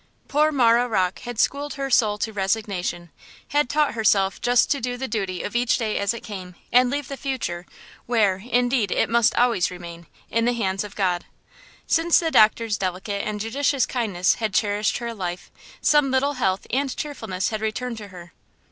POOR Marah Rocke had schooled her soul to resignation; had taught herself just to do the duty of each day as it came, and leave the future–where, indeed, it must always remain–in the hands of God. Since the doctor's delicate and judicious kindness had cherished her life, some little health and cheerfulness had returned to her.